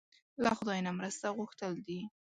له خدای نه مرسته غوښتل دي.